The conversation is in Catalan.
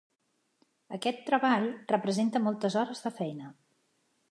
Aquest treball representa moltes hores de feina.